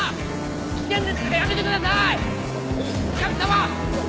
危険ですからやめてください！